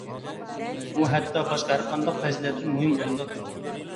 ئۇ ھەتتا باشقا ھەر قانداق پەزىلەتتىن مۇھىم ئورۇندا تۇرىدۇ.